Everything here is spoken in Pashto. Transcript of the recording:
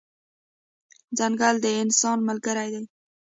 ځنګل د انسان ملګری دی.